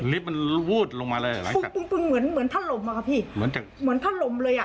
ลิฟท์มันวูดลงมาเลยเหมือนเหมือนถ้าลมอ่ะครับพี่เหมือนถ้าลมเลยอ่ะ